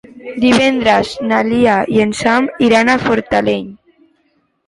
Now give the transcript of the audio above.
Divendres na Lia i en Sam iran a Fortaleny.